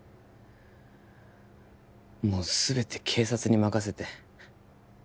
もう全て警察に任せて